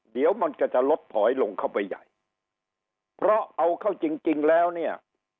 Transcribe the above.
เดี๋ยวมันก็จะลดถอยลงเข้าไปใหญ่เพราะเอาเข้าจริงจริงแล้วเนี่ย